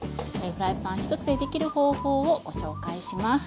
フライパン一つでできる方法をご紹介します。